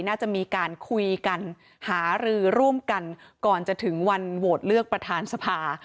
น่าจะมีการคุยกันหารือร่วมกันก่อนจะถึงวันโหวตเลือกประธานสภา